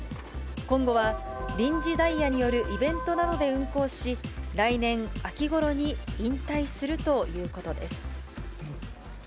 今後は臨時ダイヤによるイベントなどで運行し、来年秋ごろに引退するということです。